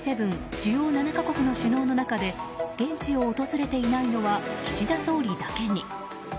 主要７か国の首脳の中で現地を訪れていないのは岸田総理だけに。